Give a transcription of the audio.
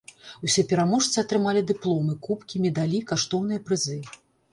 Усе пераможцы атрымалі дыпломы, кубкі, медалі, каштоўныя прызы.